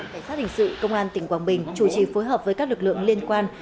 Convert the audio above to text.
cảnh sát hình sự công an tỉnh quảng bình chủ trì phối hợp với các lực lượng liên quan